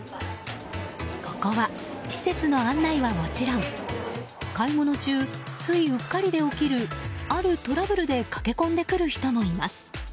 ここは施設の案内はもちろん買い物中、ついうっかりで起きるあるトラブルで駆け込んでくる人もいます。